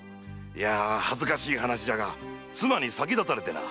いや恥ずかしい話じゃが妻に先立たれてな。